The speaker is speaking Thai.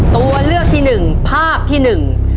ตัวเลือกที่หนึ่งภาพที่หนึ่ง